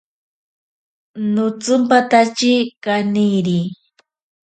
Notsimpatatye kaniri.